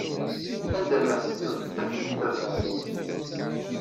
Anda ma teddid, ad tent-tafed.